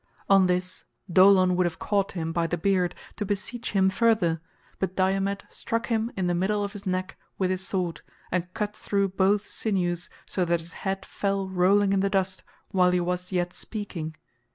On this Dolon would have caught him by the beard to beseech him further, but Diomed struck him in the middle of his neck with his sword and cut through both sinews so that his head fell rolling in the dust while he was yet speaking.